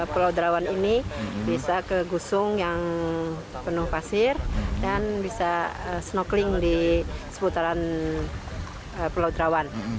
pulau derawan ini bisa ke gusung yang penuh pasir dan bisa snorkeling di seputaran pulau derawan